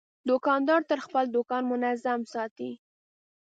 دوکاندار تل خپل دوکان منظم ساتي.